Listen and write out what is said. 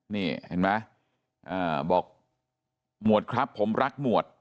นี่เห็นไหมบอกหมวดครับผมรักหมวด